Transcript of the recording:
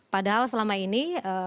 padahal selama ini